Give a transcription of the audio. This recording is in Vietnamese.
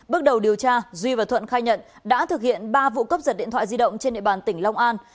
bước đầu điều tra duy và thuận khai nhận đã thực hiện ba vụ cướp giật điện thoại di động trên địa bàn tỉnh long an